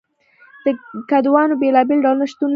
د کدوانو بیلابیل ډولونه شتون لري.